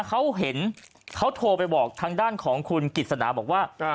เขาเห็นเขาโทรไปบอกทางด้านของคุณกิจสนาบอกว่า